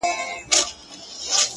o زما د زړه کوتره،